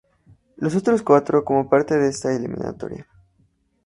Los otros cuatro, como parte de esa eliminatoria.